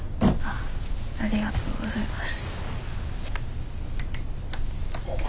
ありがとうございます。